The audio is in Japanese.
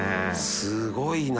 すごいな。